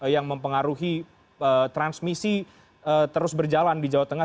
yang mempengaruhi transmisi terus berjalan di jawa tengah